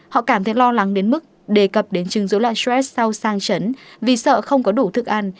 họ cảm thấy lo lắng đến mức đề cập đến chứng dối loạn stress sau sang chấn vì sợ không có đủ thức ăn